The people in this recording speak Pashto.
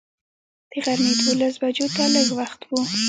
د غرمې دولس بجو ته لږ وخت و.